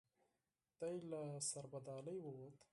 دی له سربدالۍ ووت.